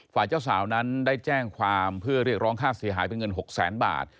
ฝ่ายเจ้าสาวนั้นได้แจ้งความเพื่อเรียกร้องค่าเสียหายเป็นเงิน๖แสนบาท